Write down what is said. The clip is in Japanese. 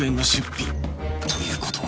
という事は